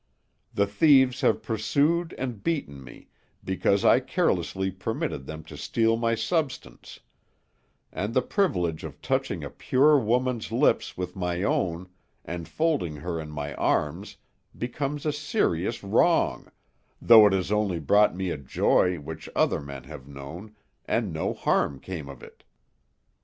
The thieves have pursued and beaten me because I carelessly permitted them to steal my substance; and the privilege of touching a pure woman's lips with my own, and folding her in my arms, becomes a serious wrong, though it has only brought me a joy which other men have known, and no harm came of it."